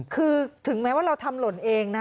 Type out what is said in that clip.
คือถึงแม้ว่าเราทำหล่นเองนะ